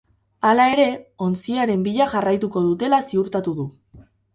Hala ere, ontziaren bila jarraituko dutela ziurtatu du.